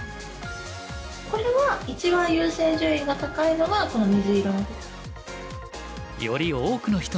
これは一番優先順位が高いのがこの水色の。